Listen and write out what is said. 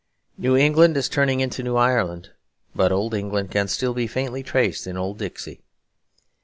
New England is turning into New Ireland. But Old England can still be faintly traced in Old Dixie.